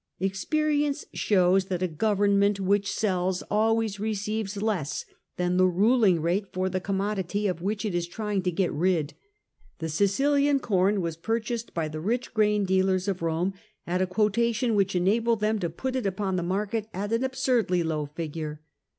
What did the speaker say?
Experience shows that a Government which sells always receives less than the ruling rate for the commodity of which it is trying to get rid. The Sicilian corn was purchased by the rich grain dealers of Rome at a quotation which enabled them to put it upon the market at an absurdly low figure.